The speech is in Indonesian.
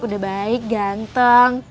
udah baik ganteng